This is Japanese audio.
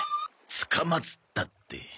つかまつったって。